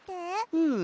うん。